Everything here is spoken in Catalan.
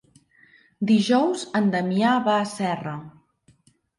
Dijous en Damià va a Serra.